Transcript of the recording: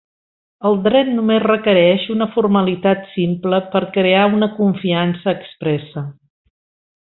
El dret només requereix una formalitat simple per crear una confiança expressa.